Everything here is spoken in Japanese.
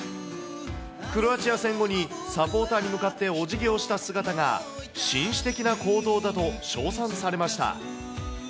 クロアチア戦後にサポーターに向かってお辞儀をした姿が紳士的な行動だと称賛されました。